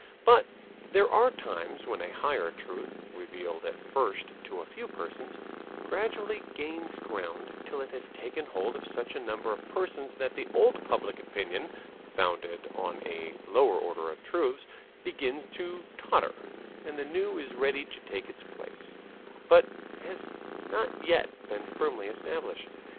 But there are times when a higher truth, revealed at first to a few persons, gradually gains ground till it has taken hold of such a number of persons that the old public opinion, founded on a lower order of truths, begins to totter and the new is ready to take its place, but has not yet been firmly established.